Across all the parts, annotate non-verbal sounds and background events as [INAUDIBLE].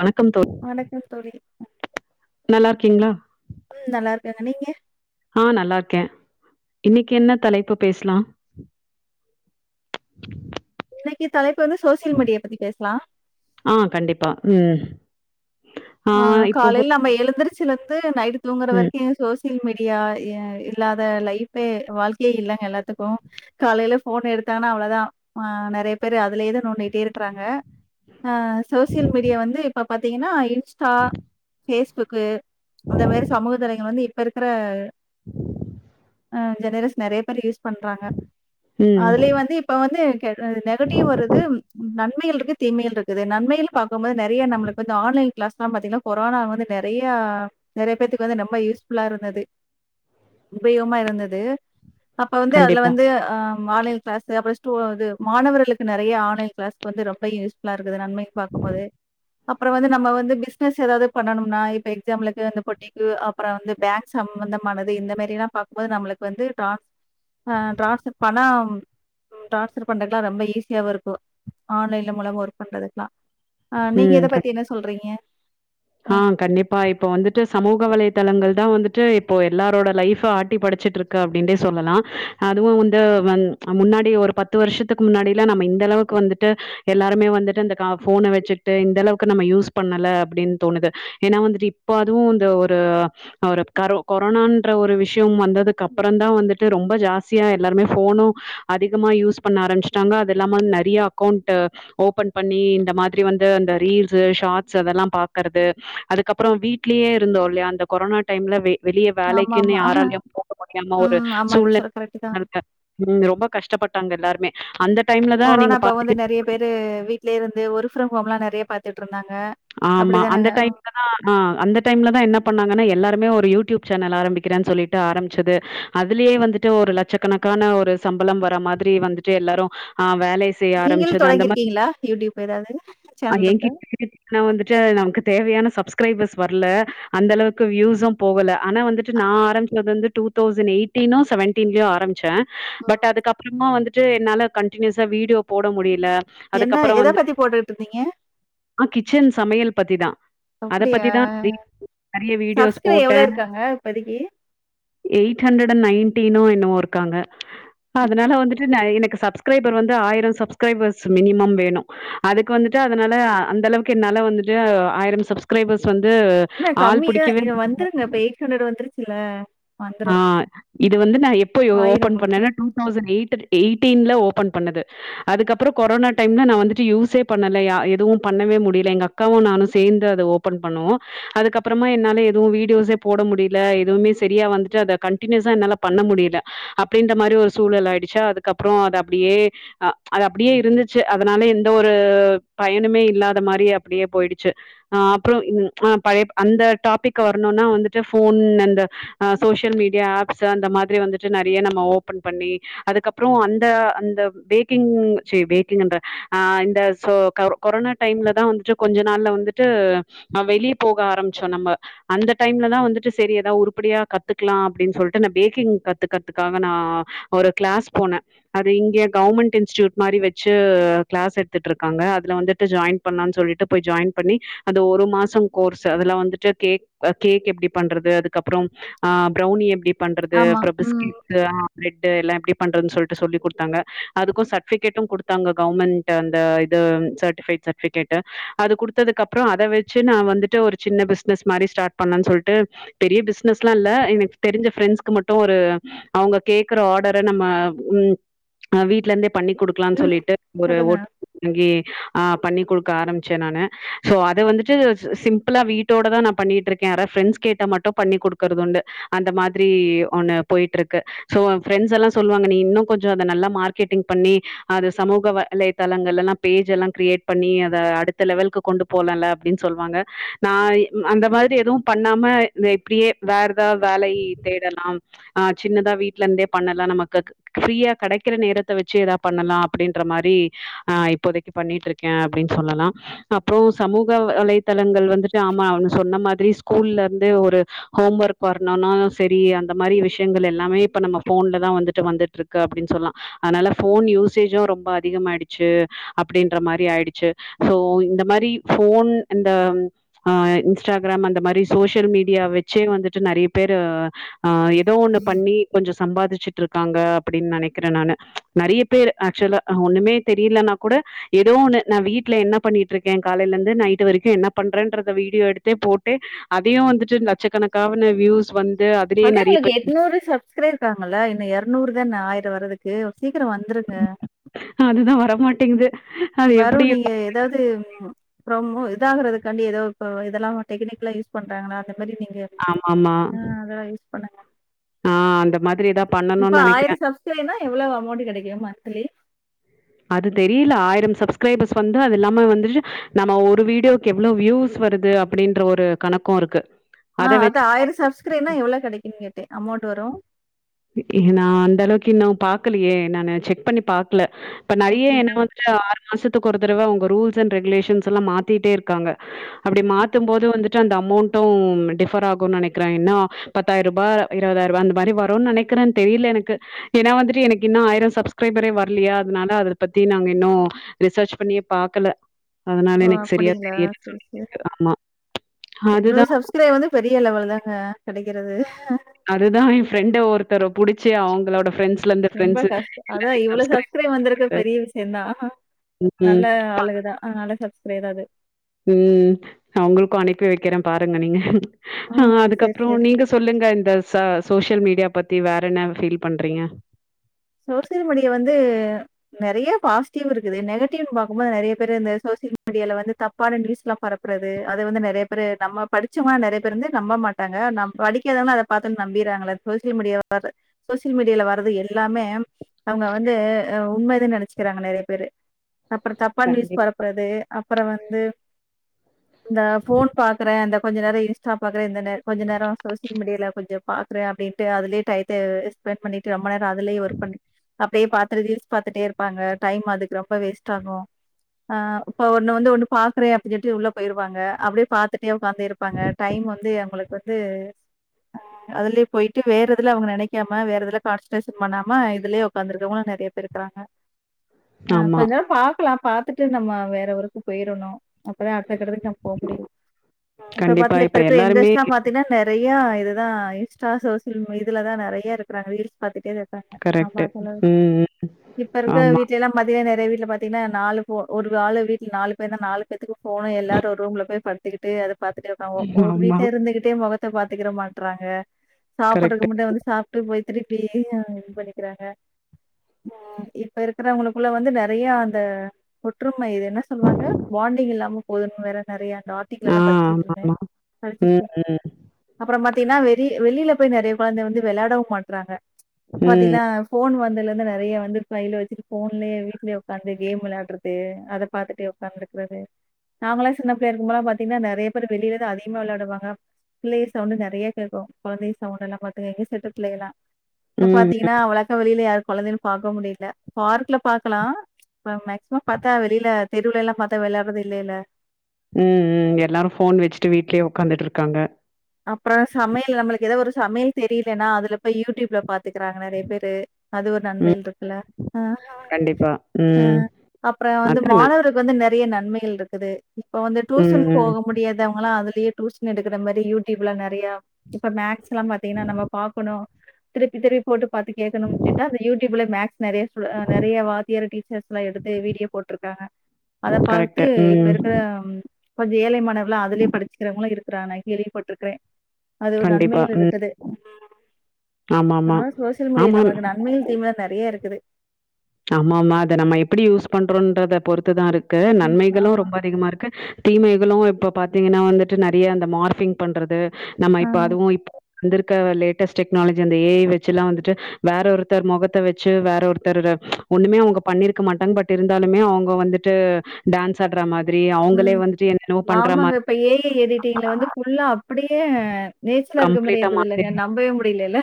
வணக்கம் தோ வணக்கம் தோழி. நல்லாருக்கீங்களா ம் நல்லாருக்கங்க நீங்க ஆ நல்லாருக்க இன்னைக்கு என்ன தலைப்பு பேசலாம் இன்னைக்கு தலைப்பு வந்து சோசியல் மீடிய பத்தி பேசலா ஆ கண்டிப்பா ம் ஆ காலையில நம்ம எழுந்திரச்சிலந்து நைட்டு தூங்குற ம் வரைக்கு சோ சில் மீடியா அ இல்லாத லைப்பே வாழ்க்கையே இல்லைங்க எல்லார்த்துக்கு காலையில போன் எடுத்தாங்கன்னா அவ்ளோதா ஆ நெறைய பேரு அதுலயே தா நோண்டிட்டே இருக்கிறாங்க ஆ சோசியல் மீடியா வந்து இப்ப பாத்தீங்கன்னா இன்ஸ்டா பேஃஸ்புக்கு அந்த மாதிரி சமூக தலைங்கள் வந்து இப்பருக்ற ஆ ஜெனரேஷ் நெறைய பேர் யூஸ் பண்றாங்க ம் அதுலயே வந்து இப் ப வந்து நெகட்டிவ் வருது நன்மைகள் இருக்கு தீமைகள் இருக்குது நன்மைகள் பாக்குபோ நெறைய நம்மாளு இந்த ஆன்லைன் கிளாஸ்லா பாத்தீங்கன்னா கொரோனா வந்து நெறைய நெறைய பேத்துக்கு வந்து ரொம்ப யூஸ்ஃபுல்லா இருந்தது உபயோமா இருந்தது அப்ப வந்து அதுல கண்டிப்பா வந்து அ ஆன்லைன் கிளாஸ் அப்ரோ ஸ்டூ இது மாணவர்களுக்கு நெறைய ஆன்லைன் கிளாஸ் வந்து ரொம்ப யூஸ் ஃபுல்லாருக்குது நன்மைகள் பாக்கும் போது அப்றம் வந்து நம்ம வந் து பிசினஸ் ஏதாவது பண்ணனும்னா இப்ப எக்ஸாம்பிளுக்கு அந்த பொட்டிக்கு அப்றம் வந்து பேங்க் சம்பந்தமானது இந்த மெரிலா ப போது நம்மளுக்கு வந்து டிரான்ஸ் டிரான்ஸ்ர் பண்ண ம் டிரான்ஸ்சர் பண்றதுக்லா ரொம்ப ஈஸியாவு இருக்கு ஆன்லைன்ல மூலமா ஒர்க் பண்றதுக்லா ஆ நீங்க இத ம் பத்தி என்ன சொல்றீங்க அ ஆ கண்டிப்பா இப்ப வந்துட்டு சமூக வலைதளங்கள் தா வந்துட்டு இப்போ எல்லாரோட லைஃப்ப ஆட்டி படச்சிட்டுருக்கு அப்டின்டே சொல்லலா அதுவு வந்து முன்னாடி ஒரு பத்து வருஷத்துக்கு முன்னாடியிலா நம்ம இந்த அளவுக்கு வந்துட்டு எல்லாருமே வந்துட்டு அந்த கா ஃபோன வச்சுட்டு இந்தளவுக்கு நம்ம யூஸ் பண்ணல அப்டின் தோணுது ஏனா வந்துட்டு இப்ப அதுவு இந்த ஒரு ஒரு கரோ கொரோனான்ற ஒரு விஷ்யம் வந்ததுக்கு அப்பற தா வந்துட்டு ரொம்ப ஜாஸ்தியா எல்லாருமே ஃபோனு அதிகமாக யூஸ் பண்ண ஆரம்பச்சட்டாங்க அது இல்லாம நெறைய அக்கௌண்ட்டு ஓபன் பண்ணி இந்த மாதிரி வந்து அந்த ரீல்ஸ் ஷார்ட்ஸ்சு அதெல்லா பாக்குறது அதுக்கப்பற வீட் வீட்லே இருந்தோ இல்லையா அந்த கொரோனா டைம்ல வெளிய வேலைக்ன்னு ஆமாமா. யாராலையு போக முடியாம ஒரு சூழ்நி அப்டிதா ம் ரொம்ப கஷ்டப்பட்டாங்க எல்லாருமே அந்த டைம்ல தா கொரோனா நீங்க அப்ப வந்து பாத்தீங் நெறைய பேரு வீட்லே இருந்து வொர்க் ஃப்ரம் ஹோம் நெறைய பாத்துட்டு இருந்தாங்க ஆமா அந்த டைம் [UNINTELLIGIBLE] டைம்ல தா என்ன பண்ணாங்கன்னா எல்லாருமே ஒரு யூடியூப் சேனல் ஆரம்பிக்கிறேனு சொல்லி ட்டு ஆரம்பிச்சது அதுலேயே வந்துட்டு ஒரு லட்சக்கணக்கான ஒரு சம்பளம் வர மாதிரி வந்துட்டு எல்லாரு ஆ வேலை செய்ய நீங்களும் ஆரம்பிச்சது அந்த மாதி தொடங்கியிருக்கீங்களா? யூடியூப் ஏதாவது ஹ சேனல் இருக்கா? என்கிட்ட [UNINTELLIGIBLE] நானு வந்துட்டு நமக்கு தேவையான சப்ஸ்கிரைபர்ஸ் வர்ல அந்த அளவுக்கு வியூசும் போகல ஆனா வந்துட்டு நா ஆரம்பி ச்து வந்து டூ தௌசண்ட் எயிட்டீனோ செவன்டீன்லோ ஆரம்பிச்சே ம். பட் அதுக்கப்பறமா வந்துட்டு என்னால கண்டினியூஸா வீடியோ போட முடியல என்ன அதுக்கப்புறம் எத வந்து பத்தி போட்டுட்டுருந்தீங்க ஆ கிச்சன் சமையல் பத்திதா அத அப்படியா? பத்திதா [UNINTELLIGIBLE] நெறைய வீடியோஸ் சப்ஸ்கிரைப் போட்டே எவ்வளோ இருக்காங்க இப்போதைக்கு? எயிட் ஹண்ட்ரடண் நயன்டின்னோ என்னவோ இருக்காங்க அதுனால வந்துட்டு நைன்னுக்கு சப்ஸ் சப்க்ஸ்ரைபர் வந்து ஆயிரோ சப்ஸ்க்ரைபர்ஸ் மினிமம் வேணு அதுக்கு வந்துட்டு அதனால அந்தளவுக்கு க்கு என்னால வந்துட்டு ஆயிரம் சப்ஸ்க்ரைபர்ஸ் வந்து என்ன ஆள் கம்மியா புடிக்கவே இத வந்துருங்க இப்ப எயிட் ஹண்ட்ரட் வந்துருச்சுல்ல வந்துரு ஆ. இது வந்து நா எப்போ ஓபன் பண்ணன்னா டூ தௌசண் எய்ட் எயிட்டீன்ல ஓபன் பண்ணது அதுக்கப்பறோ கொரோனா டைம்ல நா வந்துட்டு யூஸே பண்ணலா யா எதுவு பண்ணவே முடி எங்க அக்காவு நானு சேந்து அத ஓபன் பண்ணோ அதுக்கப்பறமா என்னால எதுவு வீடியோஸ்சே போட முடில எதுவுமே செரியா வந்துட்டு அத கண்டினியூஸ்சா என்னால பண்ண முடியல அப்டின்ற மாரி ஒரு சூழல் ஆயிடுச்சா அதுக்கப்பற அத அப்டியே அ அது அப்டியே இருந்துச்சு அதுனால எந்த ஒரு பயனுமே இல்லாத மாரி அப் அப்டியே போய்டுச்சு அ அப்றோ ம் அ பழய அந்த டாபிக் வரணுன்னா வந்துட்டு ஃபோன் அந்த அ சோசியல் மீடியா ஆப்ஸ் அந்த மாதிரி வந்துட்டு நெறையா நம்ம ஓபன் பண்ணி அதுக்கப்பறோ அந்த அந்த பேக்கிங் சீ பேக்கிங்குன்ற அ இந்த சோ கௌ கொரோனா டைம்ல தா வந்துட்டு கொஞ்ச நாள்ல வந்துட்டு அ வெளிய போக ஆரம்புச்சோ நம்ம அந்த டைம்லதா வந்துட்டு செரி எதா உருப்படியா கத்துக்கலா அப்டின்னு சொல்லிட்டு நா பேக்கிங் கத்துக்கறதுக்காக நா ஒரு க்ளாஸ் போனே அது இங்க கவர்மெண்ட் இன்ஸ்டியூட் மாரி வெச்சு க்ளாஸ் எடுத்துட்டு இருக்காங்க அதுல வந்துட்டு ஜாய்ன் பண்லான்னு சொல்லிட்டுப் போய் ஜாய்ன் பண்ணி அந்த ஒரு மாசம் கோர்ஸ் அதுலா வந்துட்டு கேக் கேக் எப்டி பண்றது அதுக்கப்பற ஆ ப்ரௌனி எப்டி பண்றது ஆமா. அப்பற ம். பிஸ்கேட் து ஆ ப்ரெட்டு எல்லா எப்டி பண்றதுன்னு சொல்லிட்டு சொல்லி குடுத்தாங்க அதுக்கு சர்ட்டிஃபிகேட்டு குடுத் த்தாங்க கவுர்மெண்ட்டு அந்த இது சர்ட்டிஃபைட் சர்ட்டிபிகெட்டு அது குடுத்ததுக்கப்பறோ அத வெச்சு நா வந்துட்டு ஒரு சின்ன பிஸ்னெஸ் மாரி ஸ்டார்ட் பண்ணேன்னு சொல்ட்டு பெரிய பிஸ்னஸ் ல்லா இல்ல. எனக்கு தெரிஞ்ச ஃப்ரெண்ட்ஸ்க்கு மட்டு ஒரு அவுங்க கேக்குற ஆடர நம்ம ம் அ வீட்ல இருந்தே பண்ணி குடுக் கிலான்னு ம். சொல்லிட்டு ஒரு சொல்லுங்க. ஓட் வங்கி ஆ பண்ணி குடுக்க ஆரம் ச்சே நானு. சோ அத வந்துட்டு ஸ் சிம்பிளா வீட்டோட தா நா பண்ணிட்டு இருக்கே. யாரா ஃப்ரெண்ட்ஸ் கேட்டா மட்டு பண்ணி குடு க்கரது உண்டு. அந்த மாதிரி ஒண்ணு போய்ட்டு இருக்கு. சோ எ ஃப்ரெண்ட்ஸ் எல்லா சொல்லுவாங்க. நீ இன்னு கொஞ்சோ அத நல்லா மார்க்கெட்டிங் பண்ணி அத சமூக வலைதளங்கள்ல எல்லா பேஜ் எல்லா க்ரியேட் பண்ணி அத அடுத் த லெவலுக்கு கொண்டு போலால அப்டின்னு சொல்லுவாங்க நா அந்த மாரி எதுவு பண்ணாம இந்த இப்டியே வேற எதா வேலை தேடலா ஆ சின்னதா வீட்ல இருந்தே பண்ணலா நமக்கு ஃப்ரீயா கெடைக்கிற நேரத்த வச்சு ஏதாவது பண்ணலா அப்டின்ற மாரி ஆ இப்போதை பண்ணிட்டு இருக்கே அப்படின்னு சொல்லலா அப்பறோ சமூக வலைதளங்கள் வந்துட்டு ஆமா அவனு சொன்ன மாதிரி ஸ்கூல்ல இருந்து ஒரு ஹோம் ஒர்க் வரணுனா செரி அந்த மாரி விஷயங்கள் எல்லாமே இப்ப நம்ம ஃபோன்ல தா வந்துட்டு வந்துட்டு இருக்கு க அப்டின்னு சொல்லா அதனால ஃபோன் யூசேஜு ரொம்ப அதிகமாயிடுச்சு அப்டின்ற மாரி ஆயிடுச்சு சோ இந்த மாரி ஃபோன் அந்த ஆ இன்ஸ்டாகிராம் அந்த மாரி சோசியல் மீடியா வச்சே வந்துட்டு நெறைய பேரு ஆ எதோ ஒண்ணு பண்ணி கொஞ்சோ சம்பாதிச்சுட்டு ருக் காங்க அப்டின்னு நெனைக்கிறே நானு நெறைய பேர் ஆக்சுவலா ஒண்ணுமே தெரியலனா கூட ஏதோ ஒண்ணு நா வீ ட்ல என்ன பண்ணிட்டு இருக்கே காலேல இருந்து நைட் வரைக்கு என்ன பண்றேன்றத வீடியோ எடுத்து போட்டே அதயு வந்துட்டு லட்சக்கணக்கான வியூஸ் வந் மக்கா உங்களுக்கு எட்நூறு ச ஸ்கிரே இருக்காங்கல்ல இன்னு எரநூறு தான ஆயிர வர்றதுக்கு சீக்கிர வந்துருங்க அதுதா வரமாட்டேங்குது அது வரு எப்டி நீங்க எதாவது ம் ரொம்ப இதாகறதுக்காண்டி ஏதோ இப்போ இதெல்லா டெக்னிக்கல்லா யூஸ் பண்றாங்களா அந்த மாரி நீங்க ஆமாமா ஆ அதெல்லாம் யூஸ் பண்ணுங்க. ஆ அந்த மாதிரிதாப் இப்ப ஆயிரோ சப்ஸ்க்ரைபர் எவ்ளோவு அமொண்ட் கெடைக்கு மன்த்லி அது தெரில ஆயிரம் சப்ஸ்க்ரைபர்ஸ் வந்து அது இல்லாம வந்து நம்ம ஒரு வீடியோ எவ்ளோ வியூஸ் வருது அப்டின்ற ஒரு கணக்கு இருக்கு ஆ அத அதா வச்சு ஆயிர சப்ஸ்க்ரைப்னா எவ்ளோ கெடைக்குன் கேட்டே அமொண்ட் வரு ஹீ நா அந்த அளவுக்கு இன்னு பாக்கலேயே நானு செக் பண்ணி பாக்கல இப்ப நெறைய என்ன அப்டிங்களா? வந்து த ஆறு மாசத்துக்கு ஒரு தடவ அவுங்க ரூல்ஸ் அண்ட் ரெகுலேஷன்ஸ் எல்லா மாத்திட்டே இருக்காங்க அப்டி மாத்து போது வந்துட் டு அந்த அமொண்டும் டிஃபர் ஆகுனு நெனக்கிறே என்ன பத்தாயிருபா இருவதாயிருபா அந்த மாரி வருன் நெனை க்கிறே தெரில எனக்கு ஏனா வந்துட்டு எனக்கு இன்னு ஆயிரோ சப்ஸ்க்ரைபரே வர்லையா அதனால அத பத்தி நாங்க இன்னு ரிசர்ச் பண்ணியே பாக்கல அதனால ஓ! எனக்கு சரியா அப்படிங்களா? தெரியலன் சரி, சொன்னே சரி. இதுக்கு ஆமா அதுதா சப்ஸ்கிரைப் வந்து பெரிய லெவல் தாங்க கெடைக்கிறது அதுதா என் ஃப்ரெண்ட்ட ஒருத்தர புடிச்சி அவுங்களோட ஃப்ரெண்ட்ஸ் ரொம்ப கஷ்டோ அதா இவ்ளோ பண்ண சப்ஸ்க்ரைப் வந்துருக்கு சொல்லிட்டு, பெரிய விஷ்யதா ம். நல்ல ஆளுகதா அதுனால ஸப்ஸ்க்ரைராரு ம் நா உங்களுக்கு அனுப்பி வைக்கிற பாருங்க நீங்க ஆ, சரி, அதுக்கப்றோ சரி. நீங்க சொல்லுங்க இந்த ஸ ஸோஸியல் மீடியா பத்தி வேற என்ன ஃபீல் பண்றிங்க ஸோஸியல் மீடியா வந்து நெறைய பாஸ்ட்டிவ் இருக்குது நெகட்டிவ்னு பாக்குபோது நெறைய பேரு இந்த ஸோஸியல் மீடியால வந்து தப் பான நியூஸ்லா பரப்றது அது வந்து நெறைய பேரு நம்ம படிச்சவ நெறைய பேர் வந்து நம்பமாட் டாங்க நம் படிக்காதவங்க அத பாத்தோன் நம்பிர்றாங்கள ஸோஸியல் மீடியாவ பாத்து ஸோஸியல் மீடியால வாரது எல்லாமே அவுங்க வந்து உண்மனு நெனச்சிக்றாங்க நெறைய பேரு அப்புறோ தப்பானா நியூஸ் கண்டிப் பரப்றது அப்றோ வந்து இந்த போன் பாக்றெ அந்த கொஞ்ச நேரோ இன்ஸ்டா பாக்றெ இந்த நேரோ கொஞ்ச நேரோ ஸோஸியல் மீடியால கொஞ்சோ பாக்ற அப்டின்ட்டு அதுலே டையத்து வேஸ்ட் ஸ்பணட் பண்ணிட்டு ரொம்ப நேரோ அதுலய ஒர்க் பண் அப்டியே பாத்த ரீல்ஸ் பாத்துட்டே இருப்பாங்க டைம் அதுக்கு ரொம்ப வேஸ்ட் ஆகு ஆ இப்ப ஒன்னு வந்து ஒன்னு பாக்குறே அப்டின்டு உள்ள போயிர் வாங்க அப்டியே பாத்துட்டியோ உக்காந்தே இர் ப்பாங்க டைம் வந்து அவ்ங்களுக்கு வந்து அதுலயே போய்ட்டு வேற எதுல அவ்ங்க நெனைக்காம வேற எதுல கான்ஸ் டன்ஷன் பண்ணாம இதுலே உக்காந்துர்க்கவங்கலா நெறைய பேர் இர்க்குராங்க அ ஆமா. கொஞ்ச நாள் பாக்கலா பாத்துட்டு நம்ம வேற ஊருக்கு போய்றணு அப்பதா அடுத்த கட்டத்துக்கு நம் போ முடியு கண்டிப்பா. இப்ப எல்லாருமே பாத்தினா நறையா இதுதா இன்ஸ்டா ஸோஸியல் மீ இதுலதா நெறைய இருக்குறாங்க ரீல்ஸ் கரெக்ட்டு. பாத்துட்டே ம், ம். இப்ப இருக்க ஆமா, வீட் ல எல்லா மத்திய நெறைய வீட்ல பாத்திங்கன்னா நாலு போ ஒரு ஆளு வீட்ல நாலு பேர்ன நாலு பேத்துக்கு ஃபோன் எல்லாரு ஒரு ரூம்ல போய் படு த்துகிட்டு அத பாத்துட்டு ஒரு ஆமா. வீட்ல இருந்துகிட்டே மொகத்த பாத்துக்குற மாட்றாங்க சாப்புட்றக்கு கரெக்ட்டு. முன்னே வந்து சாப் ட்டு போய் திருப்பி இது பண்ணிக்கிறாங்க இப்ப இருக்குறவங்களுக்குள்ள வந்து நெறைய அந்த ஒற்றுமை இது என்ன சொல்லுவாங்க பாண்டிங் இல்லாம போதுன் வேற நெறைய ஆட் டிக்கல் ஆ எல்லா படிச்சிக்கனுமே ஆமாமா. ம், ம். அப்புறோ பாத்தீங்ன்னா வெளி வெளில போய் நெறைய கொழந்த வந்து வெளயாடவு மாட்றாங்க ம், பாத்தீங்ன்னா ஃபோன் வந்ததுல இந்து நெறைய வந்து கையில வச்சுட்டு ஃபோன்லயே வீட்லே உக்காந்து கேம் வெளையாட்றது அத பாத்துட்டே உக்காந்துக்றது நாங்களா சின்ன பிள்ளைய இர்க்கு போலா பாத்தீங்ன்னா நெறைய பேர் வெளிலேதா அதிகமா விளையாடுவாங்க பிள்ளெய சவுண்டு நெறைய கேக்கு கொழந்தைங்க சவுண்ட எல்லா பாத்து எங்க ஸெட்டு பிள்ள எல்லா இப்ப ம். பாத்தீங்கன்னா அவளக்க வெளில யார் கொழந்தைகளு பாக்க முடியில பார்க்ல பாக்கலா இப்ப மேக்ஸ்மம் பாத்தா வெளில தெருவுலலா பாத்தா வெளையாட்றது இல்லேல்ல ம்ம் எல்லாரு போன் வச்சுட்டு வீட்லேயே உக்காந்துட்டு இருக்காங்க அப்பறொ சமையல் நம்மளுக்கு எதோ ஒரு சமையல் தெரியலன்னா அதுலபோய் யூடியூப்ல பாத்துக்கறாங்க நெறைய பேரு அது ஒரு ம். நன்மைகள் இருக்குல்ல கண்டிப்பா. ம். அப்புறொ வந்து அதான. மாணவர்கள் இப்ப வந்து நெறைய நன்மைகள் இருக்குது இப்ப வந்து ம், டூசன் ம். போகும் முடியாதவங்களா அதுலேயே டுயூஷன் எடுக்குற மாரி யூடியூப்ல நெறைய இப்ப மேக்ஸ் லா பாத்தீங்கன்னா நம்ம பாக்கனு திருப்பி திருப்பி போட்டு பாத்து கேக்கணும்னு கேட்டா யூடியூப்ல மேக்ஸ் நெறைய நெறைய வாத்தியார் டீச்சர்ஸ் எல்லா எடுத்து வீட்யோ போட்ருக்காங்க அத பாத்து கரெக்ட்டு. இப்ப ம். இருக்குற கொஞ்சொ ஏழை மாணவர்களு அதுலயே படிச்சுக்கிறவங்களு இருக்குறாங்க கேள்விப்பட்ருக்கே அது ஒரு கண்டிப்பா. நன்மையில் ம். இருக்குது ஆமாமா. அதனால சோசியல் மீடியா ஆமா. நமக்கு நன்மையில் தீமைகள் நெறையா இருக்குது ஆமா ஆமா அத நம்ம எப்படி யூஸ் பண்றோன்றத பொறுத்துதாருக்கு ம் நன்மைகளு ஆமா. ரொம்ப அதிகமா இருக்கு தீமைகளு இப்ப பாத்தீங்கின்னா வந்துட்டு நெறிய அந்த மார்ஃபிங் பண்றது நம்ம ஆ. இப்ப அதுவு இப்போ வந்திருக்கவ லேட்டஸ்ட் டெக்னாலஜி அந்த ஏ ஐ வெச்சுல்லா வந்துட்டு வேற ஒருத்தர் மொகத்த வெச்சு வேற ஒருத்தரோர ஒண்ணுமே அவுங்க பண்ணிருக்க மாட்டாங்க பட் இருந்தாலுமே அவுங்க வந்துட்டு டான்ஸ் ஆடுற மாதிரி அவுங்களே ம். வந்துட்டு என்னென்னவோ பண்றமா ஆமாங்க. இப்ப ஏஐ எடிட்டிங்ல வந்து ஃபுல்லா அப்படியே நேச்ரலா இருக்க மாரியே கம்ப்ளீட்டா இருக்குது மாத்தி இல்லங்க நம்பவே முடியலல்ல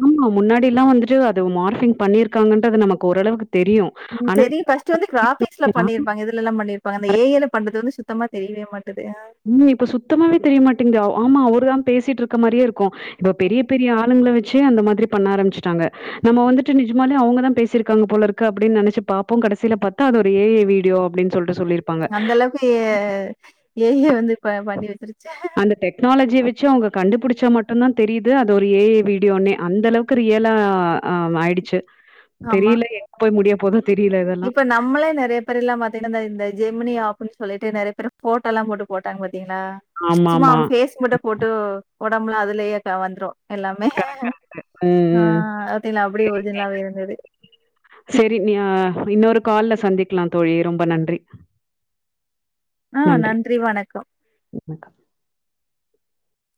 ஆமா முன்னாடியில்லா வந்துட்டு அது மார்ஃபிங் பண்ணியிருக்காங்கன்றது நமக்கு ஓரளவுக்கு தெரியும். ம் ஆனா தெரியு ஃபஸ்ட்டு வந்து க்ராபிக்ஸ்ல பண்ணிருப்பாங்க இது லெல்லா பண்ணியிருப்பாங்க அந்த ஏ ஐல பண்றது வந்து சுத்தமா தெரிவே மாட்டுது அ ம் இப்ப சுத்தமாவே தெரியமாட்டிங்து அ ஆமா ஒரு ஆம் பேசிட்டுரு க்க மாரியே இருக்கு இப்ப பெரிய பெரிய ஆளுங்குள வெ ச்சு அந்த மாரி பண்ண ஆரம்பிச்சிட்டாங்க நம்ம வந்துட்டு நிஜம்மாலே அவுங்கதா பேசியிருக்காங்க போலருக்கு அப்படின் நெனச்சு பாப்போ கடைசில பாத்தா ஒரு ஏஐ வீடியோ அப்படின்னு சொல்ட்டு சொல்லிரு அந்தளவுக்கு ஏ ஐ வந்து ப பண்ணி வெச்சிருச்சு இந்த டெக்னாலஜிய வெச்சு அவுங்க கண்டுபிடிச்சா மட்டுந்தா தெரியுது அது ஒரு ஏ ஐ வீடியோனே அந்தளவுக் கு ரியலா ஆ ஆயிடுச்சு ஆமா. தெரியில எங்க போய் முடிய போது இப்ப நம் மளே நெறைய பேர்யில்லா பாத்தீங்ன்னா இந்த இந்த ஜெமினி ஆப்புன் சொல்லிட்டு நெறைய பேரு ஃபோட்டால்லா போட்டு போட்டாங்க பாத்தீங்ளா சும்மா ஆமாமா. ஃபேஸ் மட்டு போட்டு ஒடம்புல அதுலயே கா வந்துரு எல்லாமே கரெக்ட். ம், ஆ ஆ ம். பாத்திங்களா அப்புடே ஒரிஜின்லாவே இருந்தது செரி நீ ஆ இன்னொரு கால்ல சந்திக்கலா தோழி ரொம்ப நன்றி [INAUDIBLE] ஆ நன்றி வணக்கோ வணக்கம்